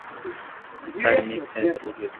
Despite mixed reviews, the show enjoyed a healthy run.